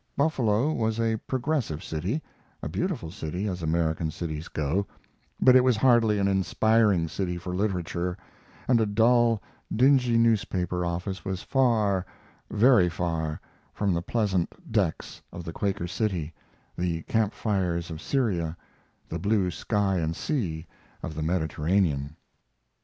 Buffalo was a progressive city a beautiful city, as American cities go but it was hardly an inspiring city for literature, and a dull, dingy newspaper office was far, very far, from the pleasant decks of the Quaker City, the camp fires of Syria, the blue sky and sea of the Mediterranean.